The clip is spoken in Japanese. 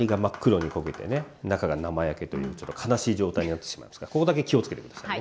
中が生焼けというちょっと悲しい状態になってしまいますからここだけ気を付けて下さいね。